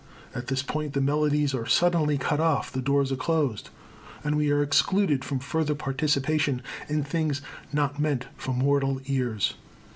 At this point the melodies are suddenly cut off, the doors are closed, and we are excluded from further participation in things not meant for mortal ears.